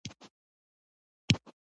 ځمکه مور ده؟